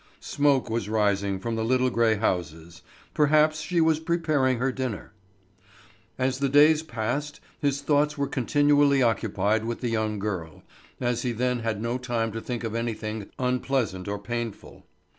Smoke was rising from the little grey houses; perhaps she was preparing her dinner. As the days passed, his thoughts were continually occupied with the young girl, as he then had no time to think of anything unpleasant or painful.